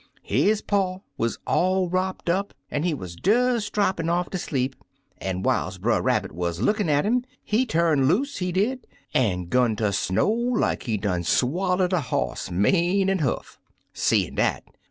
His paw wuz all wropped up, an* he wuz des drappin' off tcr sleep, an* whiles Brer Rab bit wuz lookin' at *im, he turned loose, he did, an' *gun tcr sno' like he done swaller'd a boss, mane an' huff. Seein* dat.